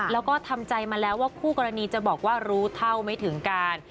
แล้วก็ทำใจมาแล้วว่าคู่กรณีจะบอกว่ารู้เท่าไม่ถึงการ